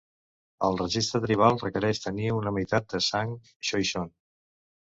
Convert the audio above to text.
El registre tribal requereix tenir una meitat de sang xoixon.